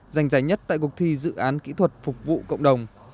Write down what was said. dành dài nhất tại cuộc thi dự án kỹ thuật phục vụ cộng đồng